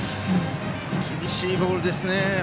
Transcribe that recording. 厳しいボールですね。